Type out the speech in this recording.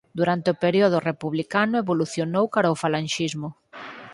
Durante o período republicano evolucionou cara o falanxismo.